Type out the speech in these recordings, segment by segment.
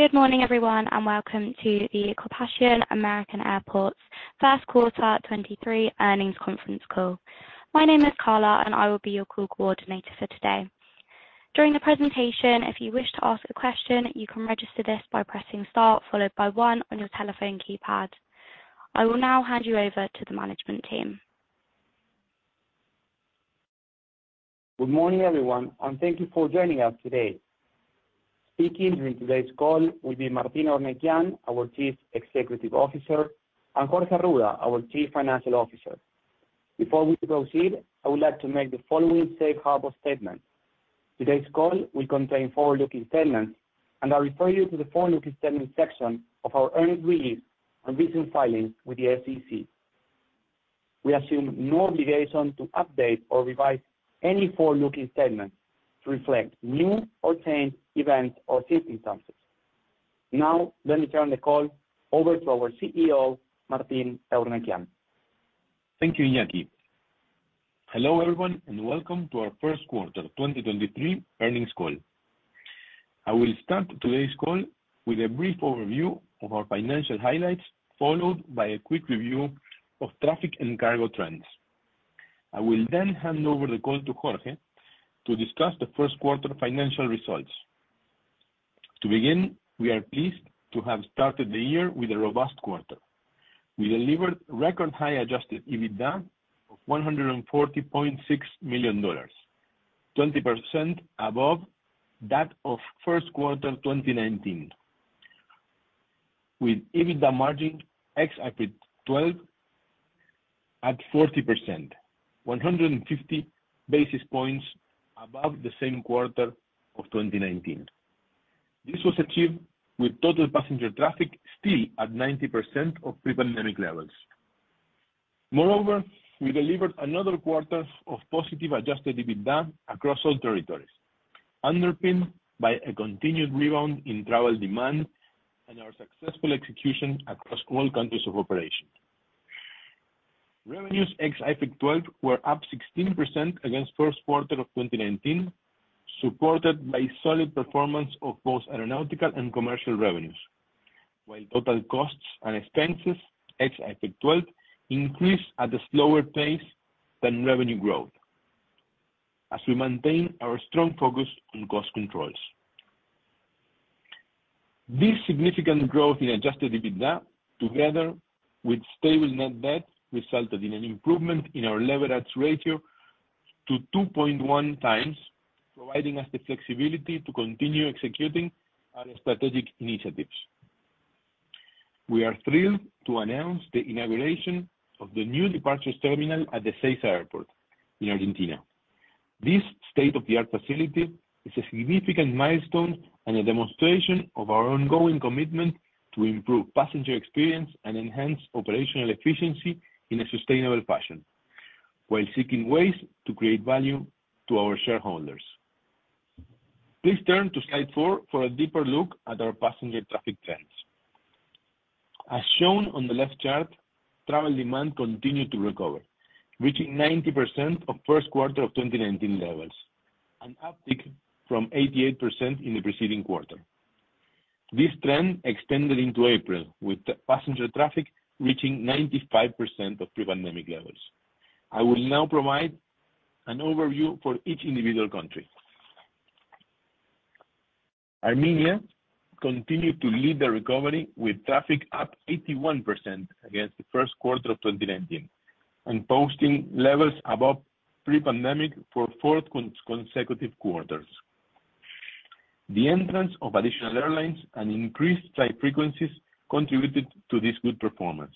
Good morning everyone, and welcome to the Corporación América Airports first quarter 2023 earnings conference call. My name is Carla, and I will be your call coordinator for today. During the presentation, if you wish to ask a question, you can register this by pressing start, followed by one on your telephone keypad. I will now hand you over to the management team. Good morning, everyone, thank you for joining us today. Speaking during today's call will be Martín Eurnekian, our Chief Executive Officer, and Jorge Arruda, our Chief Financial Officer. Before we proceed, I would like to make the following safe harbor statement. Today's call will contain forward-looking statements, I refer you to the forward-looking statements section of our earnings release and recent filings with the SEC. We assume no obligation to update or revise any forward-looking statements to reflect new or changed events or circumstances. Now let me turn the call over to our CEO, Martín Eurnekian. Thank you, Iñaki. Hello, everyone, and welcome to our first quarter 2023 earnings call. I will start today's call with a brief overview of our financial highlights, followed by a quick review of traffic and cargo trends. I will then hand over the call to Jorge to discuss the first quarter financial results. To begin, we are pleased to have started the year with a robust quarter. We delivered record high adjusted EBITDA of $140.6 million, 20% above that of first quarter 2019. With EBITDA margin ex IFRIC 12 at 40%, 150 basis points above the same quarter of 2019. This was achieved with total passenger traffic still at 90% of pre-pandemic levels. Moreover, we delivered another quarter of positive adjusted EBITDA across all territories, underpinned by a continued rebound in travel demand and our successful execution across all countries of operation. Revenues ex IFRIC 12 were up 16% against first quarter of 2019, supported by solid performance of both aeronautical and commercial revenues. While total costs and expenses, ex IFRIC 12, increased at a slower pace than revenue growth as we maintain our strong focus on cost controls. This significant growth in adjusted EBITDA, together with stable net debt, resulted in an improvement in our leverage ratio to 2.1x, providing us the flexibility to continue executing our strategic initiatives. We are thrilled to announce the inauguration of the new departures terminal at Ezeiza Airport in Argentina. This state-of-the-art facility is a significant milestone and a demonstration of our ongoing commitment to improve passenger experience and enhance operational efficiency in a sustainable fashion while seeking ways to create value to our shareholders. Please turn to slide four for a deeper look at our passenger traffic trends. As shown on the left chart, travel demand continued to recover, reaching 90% of first quarter of 2019 levels, an uptick from 88% in the preceding quarter. This trend extended into April, with passenger traffic reaching 95% of pre-pandemic levels. I will now provide an overview for each individual country. Armenia continued to lead the recovery, with traffic up 81% against the first quarter of 2019 and posting levels above pre-pandemic for four consecutive quarters. The entrance of additional airlines and increased flight frequencies contributed to this good performance.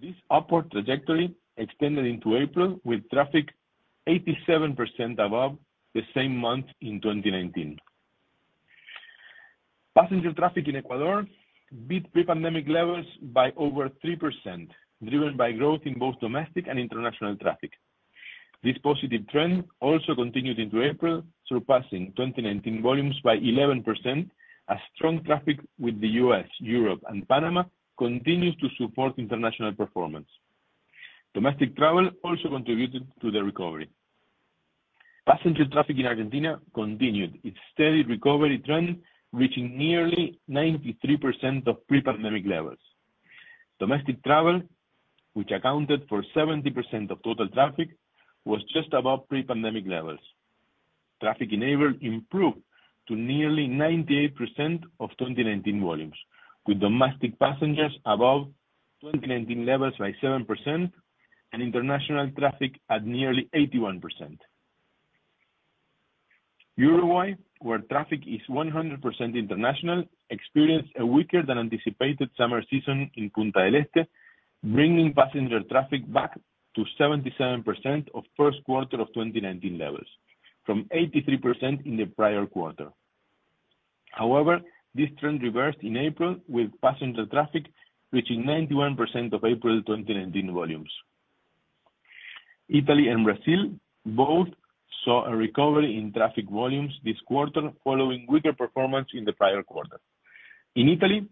This upward trajectory extended into April, with traffic 87% above the same month in 2019. Passenger traffic in Ecuador beat pre-pandemic levels by over 3%, driven by growth in both domestic and international traffic. This positive trend also continued into April, surpassing 2019 volumes by 11%, as strong traffic with the U.S., Europe and Panama continues to support international performance. Domestic travel also contributed to the recovery. Passenger traffic in Argentina continued its steady recovery trend, reaching nearly 93% of pre-pandemic levels. Domestic travel, which accounted for 70% of total traffic, was just above pre-pandemic levels. Traffic in April improved to nearly 98% of 2019 volumes, with domestic passengers above 2019 levels by 7% and international traffic at nearly 81%. Uruguay, where traffic is 100% international, experienced a weaker than anticipated summer season in Punta del Este, bringing passenger traffic back to 77% of first quarter of 2019 levels, from 83% in the prior quarter. This trend reversed in April, with passenger traffic reaching 91% of April 2019 volumes. Italy and Brazil both saw a recovery in traffic volumes this quarter following weaker performance in the prior quarter. In Italy,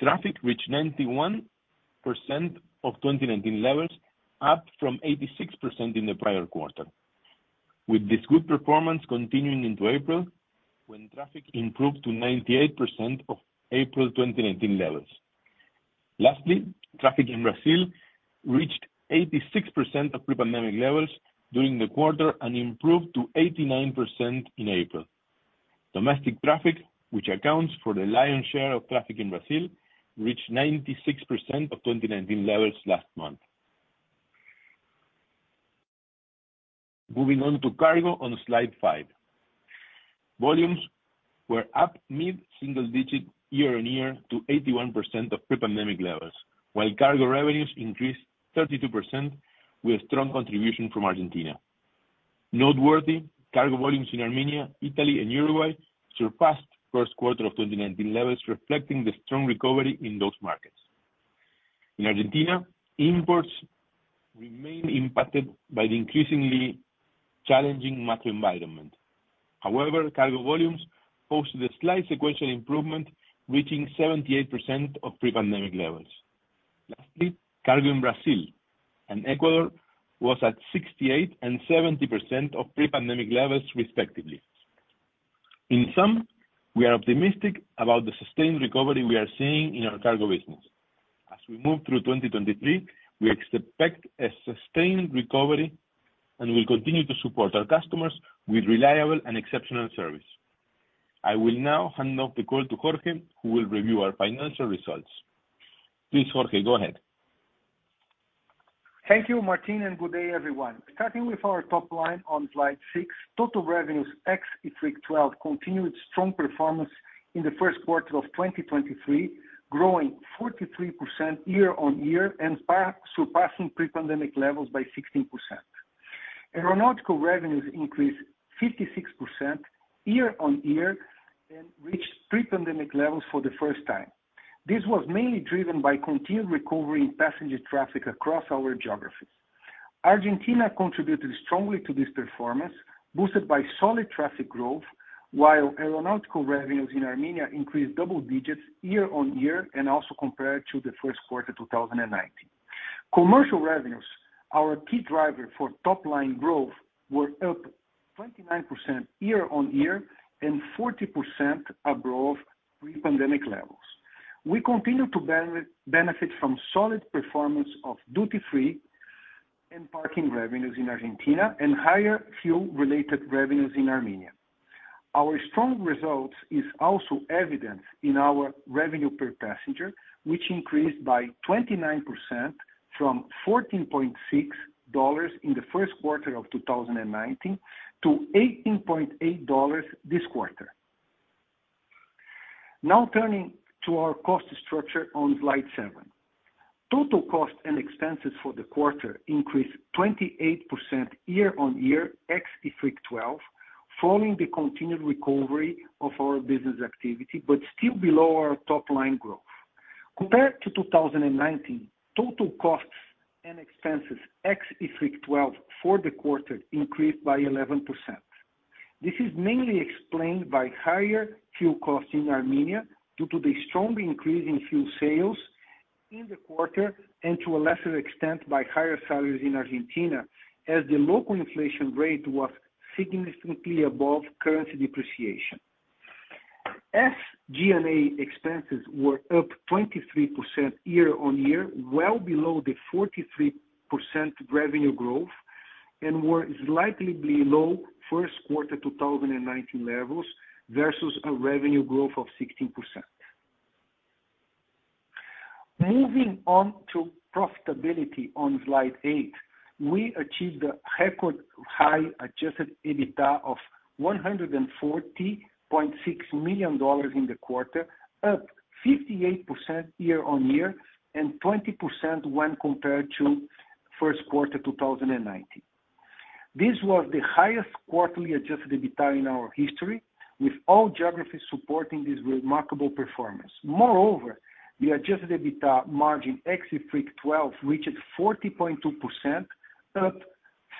traffic reached 91% of 2019 levels, up from 86% in the prior quarter. This good performance continuing into April, when traffic improved to 98% of April 2019 levels. Traffic in Brazil reached 86% of pre-pandemic levels during the quarter and improved to 89% in April. Domestic traffic, which accounts for the lion's share of traffic in Brazil, reached 96% of 2019 levels last month. Moving on to cargo on slide five. Volumes were up mid-single digit year-on-year to 81% of pre-pandemic levels, while cargo revenues increased 32% with strong contribution from Argentina. Noteworthy cargo volumes in Armenia, Italy, and Uruguay surpassed first quarter of 2019 levels, reflecting the strong recovery in those markets. In Argentina, imports remain impacted by the increasingly challenging macro environment. However, cargo volumes posted a slight sequential improvement, reaching 78% of pre-pandemic levels. Lastly, cargo in Brazil and Ecuador was at 68% and 70% of pre-pandemic levels respectively. In sum, we are optimistic about the sustained recovery we are seeing in our cargo business. As we move through 2023, we expect a sustained recovery, and we'll continue to support our customers with reliable and exceptional service. I will now hand off the call to Jorge, who will review our financial results. Please, Jorge, go ahead. Thank you, Martín. Good day, everyone. Starting with our top line on slide six, total revenues ex IFRIC 12 continued strong performance in the first quarter of 2023, growing 43% year-on-year, surpassing pre-pandemic levels by 16%. Aeronautical revenues increased 56% year-on-year and reached pre-pandemic levels for the first time. This was mainly driven by continued recovery in passenger traffic across our geographies. Argentina contributed strongly to this performance, boosted by solid traffic growth, while aeronautical revenues in Armenia increased double digits year-on-year and also compared to the first quarter 2019. Commercial revenues, our key driver for top-line growth, were up 29% year-on-year and 40% above pre-pandemic levels. We continue to benefit from solid performance of duty-free and parking revenues in Argentina and higher fuel-related revenues in Armenia. Our strong results is also evident in our revenue per passenger, which increased by 29% from $14.6 in the first quarter of 2019 to $18.8 this quarter. Turning to our cost structure on slide seven. Total costs and expenses for the quarter increased 28% year-on-year ex IFRIC 12, following the continued recovery of our business activity, but still below our top line growth. Compared to 2019, total costs and expenses ex IFRIC 12 for the quarter increased by 11%. This is mainly explained by higher fuel costs in Armenia due to the strong increase in fuel sales in the quarter and to a lesser extent by higher salaries in Argentina, as the local inflation rate was significantly above currency depreciation. SG&A expenses were up 23% year-on-year, well below the 43% revenue growth and were slightly below first quarter 2019 levels versus a revenue growth of 16%. Moving on to profitability on slide eight. We achieved a record high adjusted EBITDA of $140.6 million in the quarter, up 58% year-on-year and 20% when compared to first quarter 2019. This was the highest quarterly adjusted EBITDA in our history, with all geographies supporting this remarkable performance. Moreover, the adjusted EBITDA margin ex IFRIC 12 reached 40.2%, up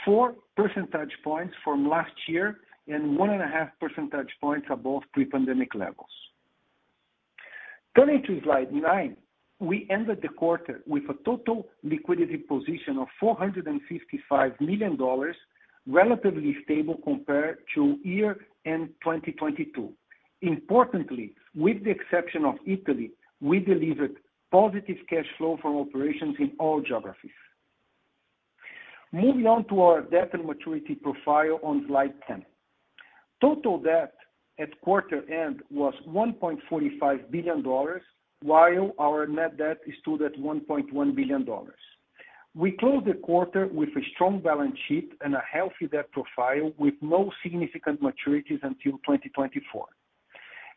4 percentage points from last year and 1.5 percentage points above pre-pandemic levels. Turning to slide nine, we ended the quarter with a total liquidity position of $455 million, relatively stable compared to year-end 2022. Importantly, with the exception of Italy, we delivered positive cash flow from operations in all geographies. Moving on to our debt and maturity profile on slide 10. Total debt at quarter end was $1.45 billion, while our net debt stood at $1.1 billion. We closed the quarter with a strong balance sheet and a healthy debt profile, with no significant maturities until 2024.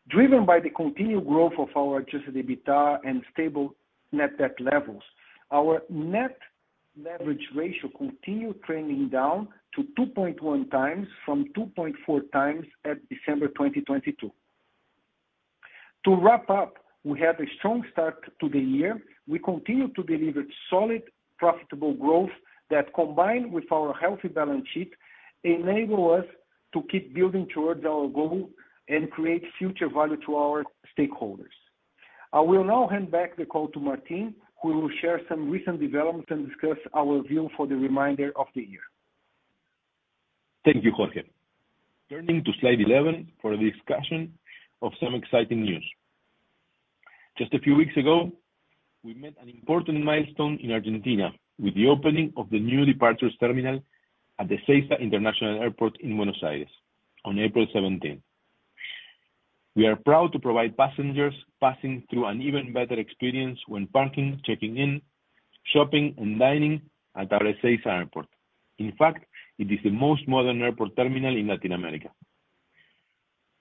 Driven by the continued growth of our adjusted EBITDA and stable net debt levels, our net leverage ratio continued trending down to 2.1x from 2.4x at December 2022. To wrap up, we had a strong start to the year. We continue to deliver solid, profitable growth that, combined with our healthy balance sheet, enable us to keep building towards our goal and create future value to our stakeholders. I will now hand back the call to Martín, who will share some recent developments and discuss our view for the remainder of the year. Thank you, Jorge. Turning to slide 11 for the discussion of some exciting news. Just a few weeks ago, we met an important milestone in Argentina with the opening of the new departures terminal at Ezeiza International Airport in Buenos Aires on April 17th. We are proud to provide passengers passing through an even better experience when parking, checking in, shopping and dining at our Ezeiza Airport. In fact, it is the most modern airport terminal in Latin America.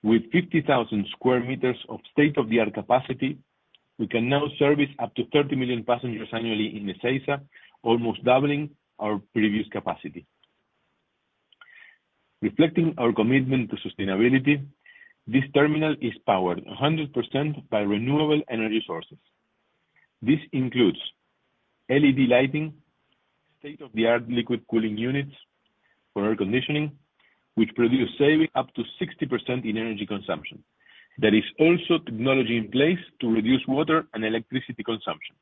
With 50,000 sq m of state-of-the-art capacity, we can now service up to 30 million passengers annually in Ezeiza, almost doubling our previous capacity. Reflecting our commitment to sustainability, this terminal is powered 100% by renewable energy sources. This includes LED lighting, state-of-the-art liquid cooling units for air conditioning, which produce savings up to 60% in energy consumption. There is also technology in place to reduce water and electricity consumption.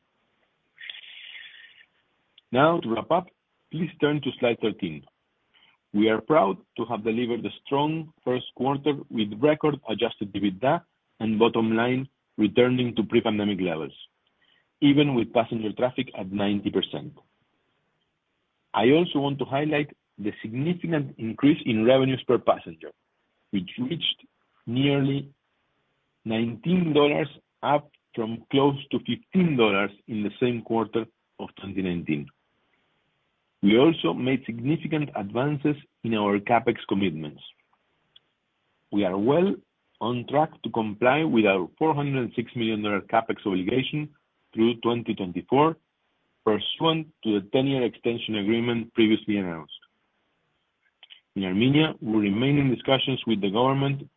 To wrap up, please turn to slide 13. We are proud to have delivered a strong first quarter with record adjusted EBITDA and bottom line returning to pre-pandemic levels, even with passenger traffic at 90%. I also want to highlight the significant increase in revenues per passenger, which reached nearly $19, up from close to $15 in the same quarter of 2019. We also made significant advances in our CapEx commitments. We are well on track to comply with our $406 million CapEx obligation through 2024, pursuant to the 10-year extension agreement previously announced. In Armenia, we remain in discussions with the government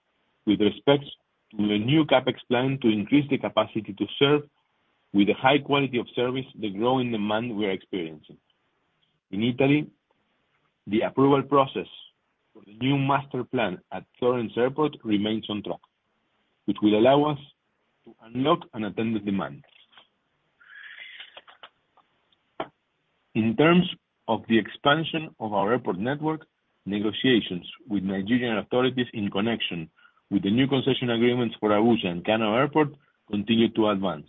with respects to a new CapEx plan to increase the capacity to serve with a high quality of service the growing demand we are experiencing. In Italy, the approval process for the new master plan at Florence Airport remains on track, which will allow us to unlock unattended demand. In terms of the expansion of our airport network, negotiations with Nigerian authorities in connection with the new concession agreements for Abuja and Kano Airport continue to advance.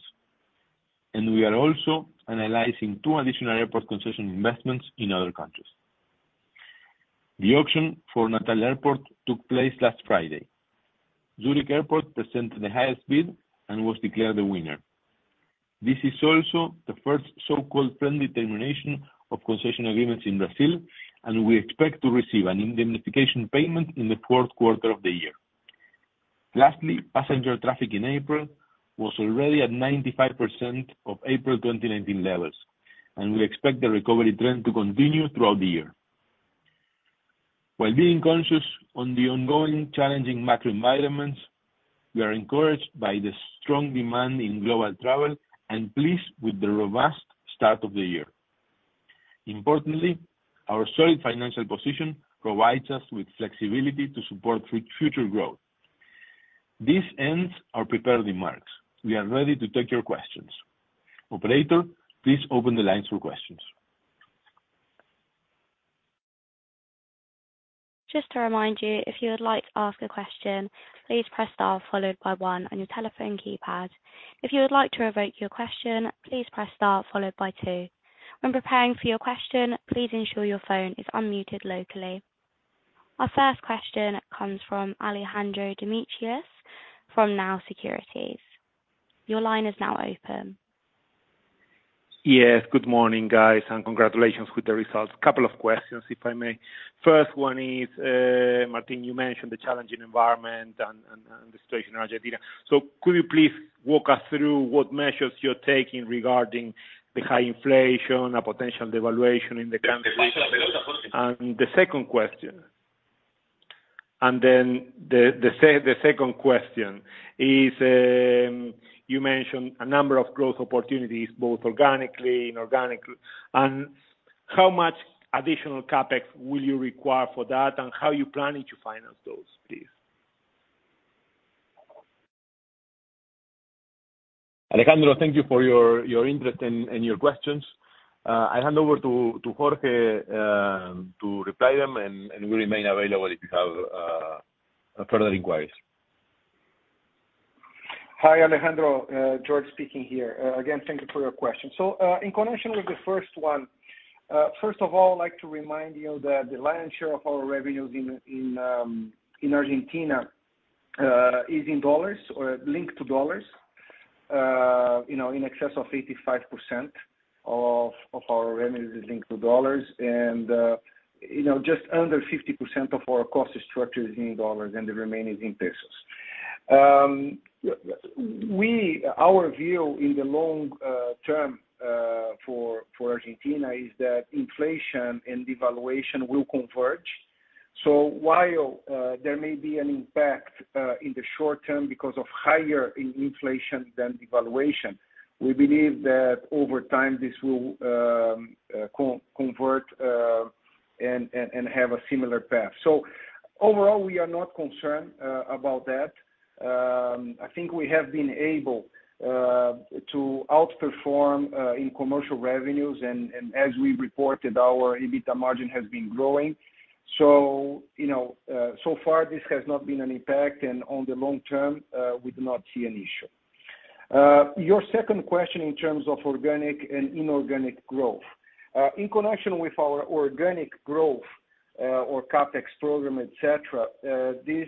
We are also analyzing two additional airport concession investments in other countries. The auction for Natal Airport took place last Friday. Zurich Airport presented the highest bid and was declared the winner. This is also the first so-called friendly termination of concession agreements in Brazil, and we expect to receive an indemnification payment in the fourth quarter of the year. Lastly, passenger traffic in April was already at 95% of April 2019 levels, and we expect the recovery trend to continue throughout the year. While being conscious on the ongoing challenging macro environments, we are encouraged by the strong demand in global travel and pleased with the robust start of the year. Our solid financial position provides us with flexibility to support future growth. This ends our prepared remarks. We are ready to take your questions. Operator, please open the lines for questions. Just to remind you, if you would like to ask a question, please press star followed by one on your telephone keypad. If you would like to revoke your question, please press star followed by two. When preparing for your question, please ensure your phone is unmuted locally. Our first question comes from Alejandro Demichelis from Nau Securities. Your line is now open. Yes. Good morning, guys. Congratulations with the results. A couple of questions, if I may. First one is, Martín, you mentioned the challenging environment and the situation in Argentina. Could you please walk us through what measures you're taking regarding the high inflation, a potential devaluation in the country? The second question is, you mentioned a number of growth opportunities, both organically and inorganically. How much additional CapEx will you require for that, and how are you planning to finance those, please? Alejandro, thank you for your interest and your questions. I hand over to Jorge to reply them, and we remain available if you have further inquiries. Hi, Alejandro. Jorge is speaking here. Again, thank you for your question. In connection with the first one, first of all, I'd like to remind you that the lion's share of our revenues in Argentina is in dollars or linked to dollars. You know, in excess of 85% of our revenues is linked to dollars. You know, just under 50% of our cost structure is in dollars, and the remaining is in pesos. Our view in the long term for Argentina is that inflation and devaluation will converge. While there may be an impact in the short term because of higher inflation than devaluation, we believe that over time, this will converge. Have a similar path. Overall, we are not concerned about that. I think we have been able to outperform in commercial revenues. As we reported, our EBITDA margin has been growing. You know, so far this has not been an impact, and on the long term, we do not see an issue. Your second question in terms of organic and inorganic growth. In connection with our organic growth, or CapEx program, etc., these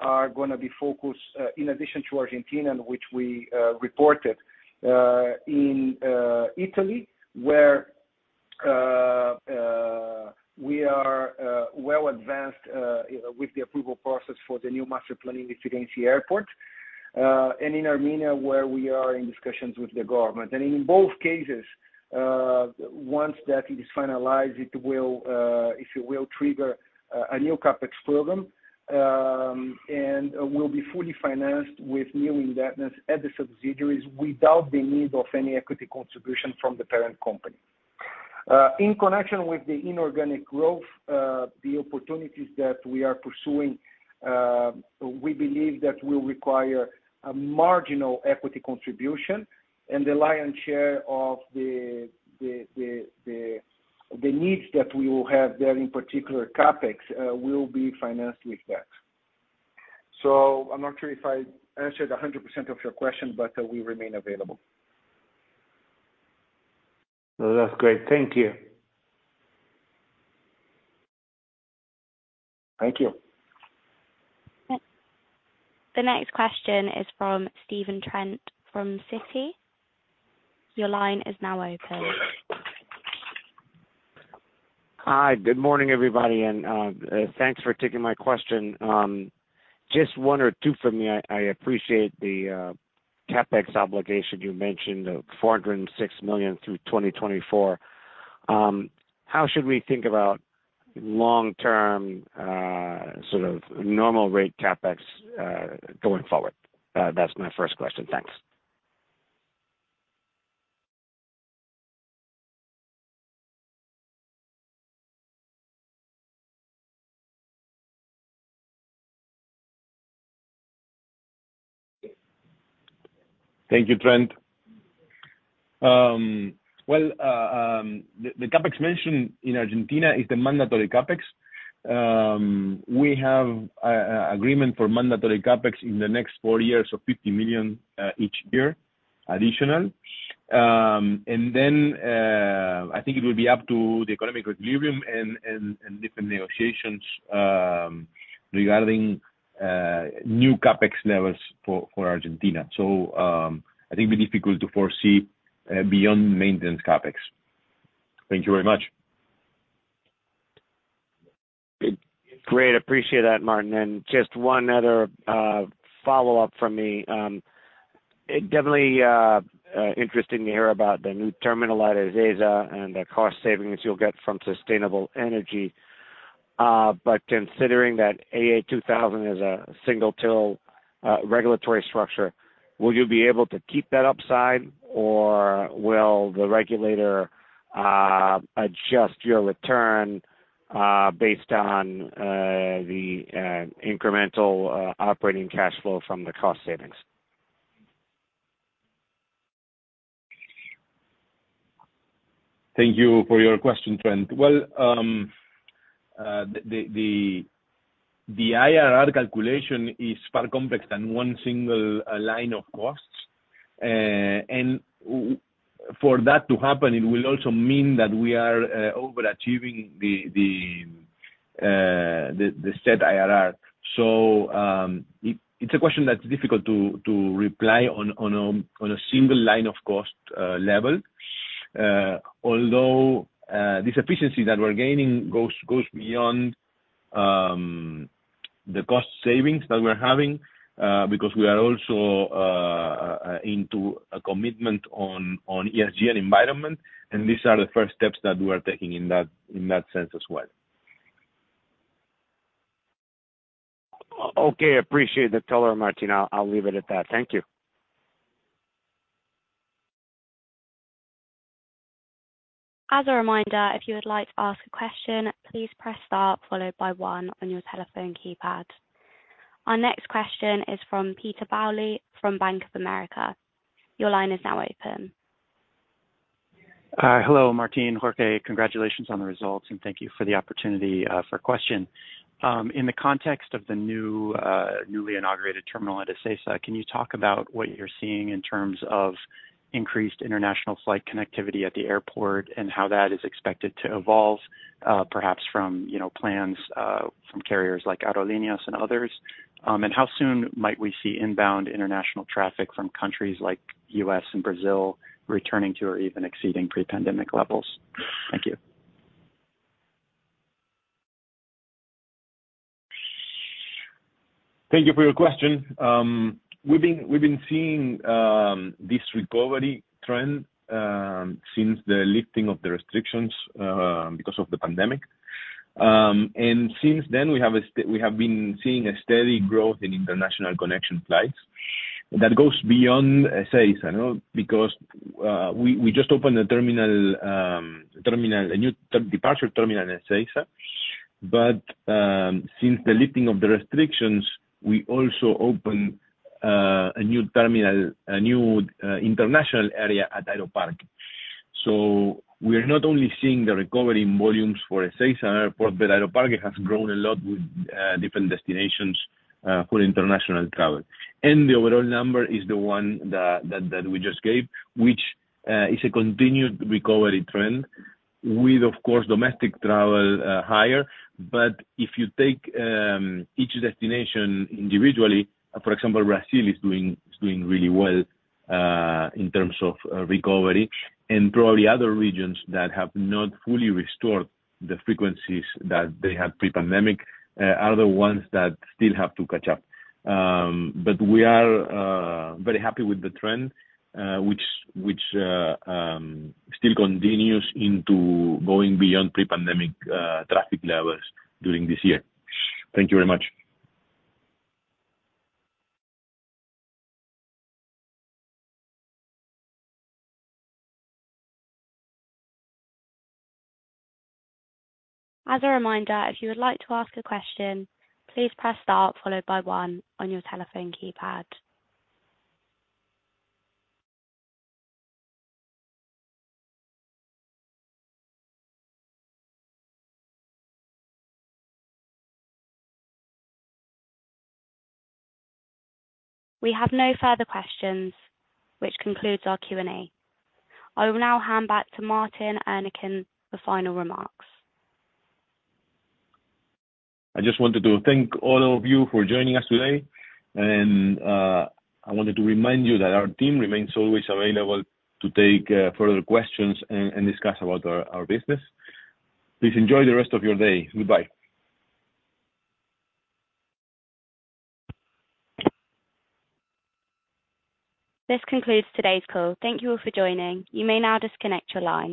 are gonna be focused in addition to Argentina, which we reported, in Italy, where we are well advanced, you know, with the approval process for the new master plan in Florence Airport, and in Armenia, where we are in discussions with the government. In both cases, once that is finalized, it will trigger a new CapEx program, and will be fully financed with new indebtedness at the subsidiaries without the need of any equity contribution from the parent company. In connection with the inorganic growth, the opportunities that we are pursuing, we believe that will require a marginal equity contribution and the lion's share of the needs that we will have there, in particular CapEx, will be financed with that. I'm not sure if I answered 100% of your question, but, we remain available. That's great. Thank you. Thank you. The next question is from Stephen Trent from Citi. Your line is now open. Hi. Good morning, everybody, and thanks for taking my question. Just one or two from me. I appreciate the CapEx obligation you mentioned, the $406 million through 2024. How should we think about long-term, sort of normal rate CapEx, going forward? That's my first question. Thanks. Thank you, Trent. Well, the CapEx mentioned in Argentina is the mandatory CapEx. We have a agreement for mandatory CapEx in the next four years of $50 million each year additional. I think it will be up to the economic equilibrium and different negotiations regarding new CapEx levels for Argentina. I think it'd be difficult to foresee beyond maintenance CapEx. Thank you very much. Great. Appreciate that, Martín. Just one other follow-up from me. It definitely interesting to hear about the new terminal at Ezeiza and the cost savings you'll get from sustainable energy. Considering that Aeropuertos Argentina 2000 is a single-till regulatory structure, will you be able to keep that upside, or will the regulator adjust your return based on the incremental operating cash flow from the cost savings? Thank you for your question, Trent. Well, the IRR calculation is far complex than one single line of costs. For that to happen, it will also mean that we are overachieving the set IRR. It's a question that's difficult to reply on a single line-of-cost level. Although this efficiency that we're gaining goes beyond the cost savings that we're having, because we are also into a commitment on ESG and environment, and these are the first steps that we are taking in that, in that sense as well. Okay. Appreciate the color, Martín. I'll leave it at that. Thank you. As a reminder, if you would like to ask a question, please press star followed by one on your telephone keypad. Our next question is from Peter Bowley from Bank of America. Your line is now open. Hello, Martín, Jorge. Congratulations on the results, and thank you for the opportunity for a question. In the context of the new, newly inaugurated terminal at Ezeiza, can you talk about what you're seeing in terms of increased international flight connectivity at the airport and how that is expected to evolve, perhaps from, you know, plans from carriers like Aerolíneas and others? How soon might we see inbound international traffic from countries like U.S. and Brazil returning to or even exceeding pre-pandemic levels? Thank you. Thank you for your question. We've been seeing this recovery trend since the lifting of the restrictions because of the pandemic. Since then, we have been seeing a steady growth in international connection flights. That goes beyond Ezeiza, no, because we just opened a new departure terminal in Ezeiza. Since the lifting of the restrictions, we also opened a new terminal, a new international area at Aeroparque. We are not only seeing the recovery in volumes for Ezeiza Airport, but Aeroparque has grown a lot with different destinations for international travel. The overall number is the one that we just gave, which is a continued recovery trend with, of course, domestic travel higher. If you take each destination individually, for example, Brazil is doing really well in terms of recovery. Probably other regions that have not fully restored the frequencies that they had pre-pandemic are the ones that still have to catch up. We are very happy with the trend, which still continues into going beyond pre-pandemic traffic levels during this year. Thank you very much. As a reminder, if you would like to ask a question, please press star followed by one on your telephone keypad. We have no further questions, which concludes our Q&A. I will now hand back to Martín and Iñaki for final remarks. I just wanted to thank all of you for joining us today. I wanted to remind you that our team remains always available to take, further questions and discuss about our business. Please enjoy the rest of your day. Goodbye. This concludes today's call. Thank you all for joining. You may now disconnect your line.